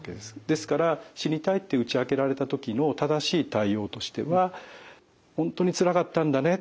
ですから「死にたい」って打ち明けられた時の正しい対応としては「本当につらかったんだね。